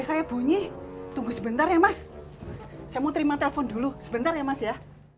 saya bunyi tunggu sebentar ya mas saya mau terima telepon dulu sebentar ya mas ya